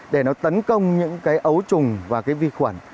để nó tấn công những cái ấu trùng và cái vi khuẩn